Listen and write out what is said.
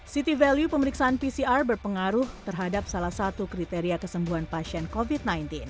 city value pemeriksaan pcr berpengaruh terhadap salah satu kriteria kesembuhan pasien covid sembilan belas